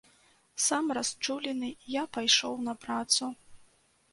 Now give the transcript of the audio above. Сам расчулены я пайшоў на працу.